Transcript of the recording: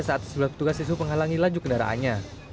saat sebuah petugas disubur menghalangi laju kendaraannya